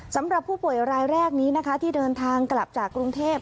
สำหรับผู้ป่วยรายแรกนี้นะคะที่เดินทางกลับจากกรุงเทพ